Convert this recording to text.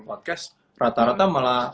podcast rata rata malah